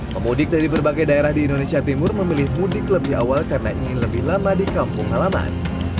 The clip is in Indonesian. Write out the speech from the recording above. pemudik dari berbagai daerah di indonesia timur memilih mudik lebih awal karena ingin lebih lama di kampung halaman